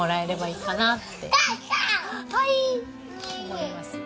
思います。